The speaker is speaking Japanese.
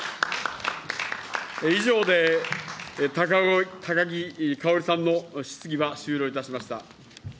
以上で高木かおりさんの質疑は終了いたしました。